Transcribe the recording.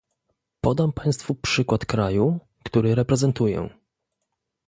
Podam państwu przykład kraju, który reprezentuję